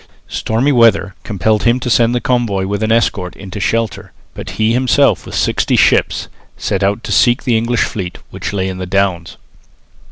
Stormy weather compelled him to send the convoy with an escort into shelter, but he himself with sixty ships set out to seek the English fleet, which lay in the Downs.